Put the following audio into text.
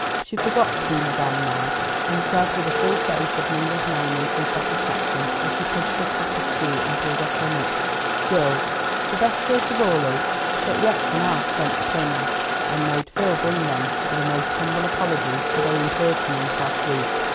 She forgot to be Madam now, and said with a face full of mingled merriment and satisfaction, as she pushed her cap askew and pulled off her mitts: "Girls, the best joke of all is, that Rex and Alf sent the pins, and made Phil bring them with a most humble apology for their impertinence last week.